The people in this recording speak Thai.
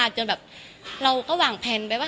จนแบบเราก็วางแผนไปว่า